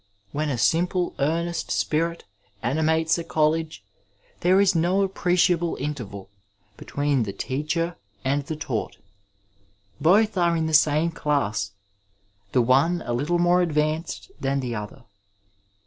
When a simple, earnest spirit animates a college, there is no appreci able interval between the teacher and the taught — ^both are in the same class, the one a little more advanced than the other.